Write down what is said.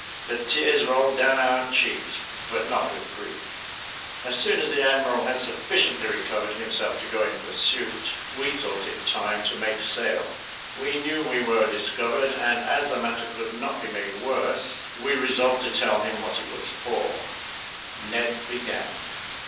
The tears rolled down our cheeks; but not with grief. As soon as the admiral had sufficiently recovered himself to go in pursuit, we thought it time to make sail. We knew we were discovered; and as the matter could not be made worse, we resolved to tell him what it was for. Ned began.